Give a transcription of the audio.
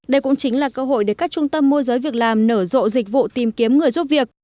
đây cũng chính là cơ hội để các trung tâm môi giới việc làm nở rộ dịch vụ tìm kiếm người giúp việc